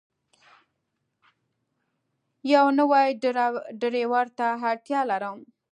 یو نوی ډرایور ته اړتیا لرم.